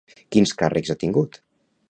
Quins càrrecs ha tingut?